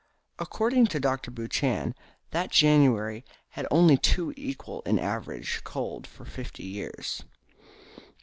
According to Dr. Buchan, that January had only two equal in average cold for fifty years.